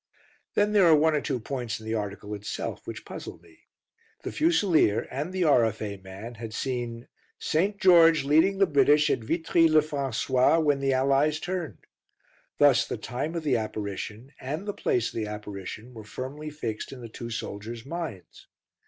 Then there are one or two points in the article itself which puzzle me. The Fusilier and the R.F.A. man had seen "St, George leading the British at Vitry le François, when the Allies turned." Thus the time of the apparition and the place of the apparition were firmly fixed in the two soldiers' minds.